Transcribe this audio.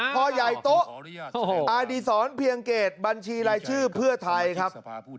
พ่อใหญ่โต๊ะอดีศรเพียงเกตบัญชีรายชื่อเพื่อไทยครับ